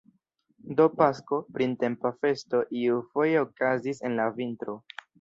Do Pasko, printempa festo, iufoje okazis en la vintro!